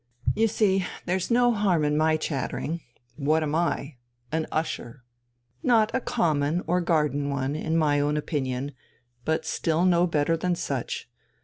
You see, there's no harm in my chattering. What am I? An usher. Not a common or garden one, in my own opinion, but still no better than such.